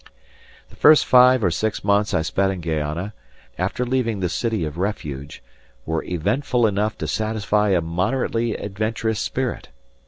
The first five or six months I spent in Guayana, after leaving the city of refuge, were eventful enough to satisfy a moderately adventurous spirit.